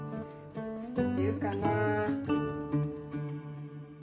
出るかな？